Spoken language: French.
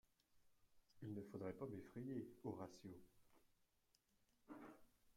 Il ne faudrait pas m’effrayer, Horatio…